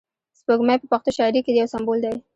سپوږمۍ په پښتو شاعري کښي یو سمبول دئ.